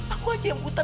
aku aja yang buta